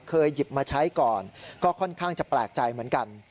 หยิบมาใช้ก่อนก็ค่อนข้างจะแปลกใจเหมือนกัน